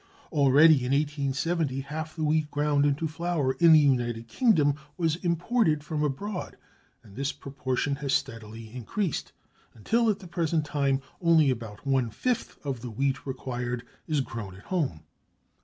Already in 1870 half the wheat ground into flour in the United Kingdom was imported from abroad, and this proportion has steadily increased, until at the present time only about one fifth of the wheat required is grown at home.